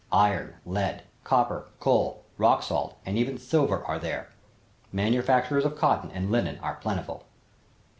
Iron, lead, copper, coal, rock salt and even silver are there. Manufacturers of cotton and linen are plentiful.